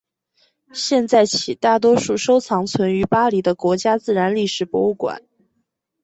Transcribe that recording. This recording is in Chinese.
现在起大多数收藏存于巴黎的国家自然历史博物馆。